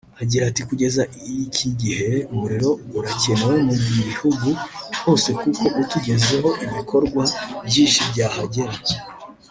Agira ati “Kugeza iki gihe umuriro urakenewe mu gihugu hose kuko utugezeho ibikorwa byinshi byahagera